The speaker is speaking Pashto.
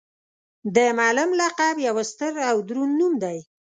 د معلم لقب یو ستر او دروند نوم دی.